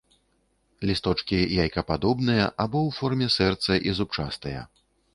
Лісточкі яйкападобныя або ў форме сэрца і зубчастыя.